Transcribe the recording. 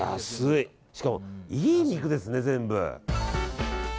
しかもいい肉ですね、全部。